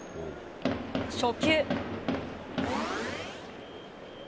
初球。